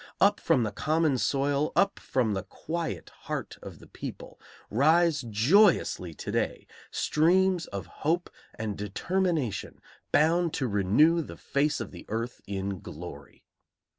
Up from the common soil, up from the quiet heart of the people, rise joyously to day streams of hope and determination bound to renew the face of the earth in glory.